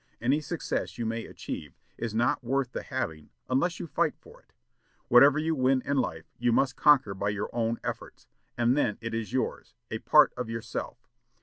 Any success you may achieve is not worth the having unless you fight for it. Whatever you win in life you must conquer by your own efforts; and then it is yours a part of yourself....